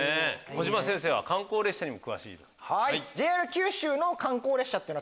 こじま先生は観光列車にも詳しいと。